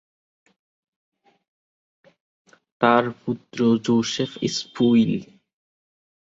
তার পুত্র জোসেফ স্প্রুইল।